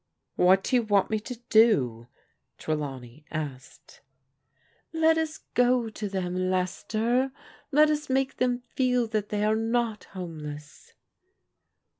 " What do you want me to do? " Trelawney asked. "Let us go to them, Lester. Let us make them fed that they are not homeless."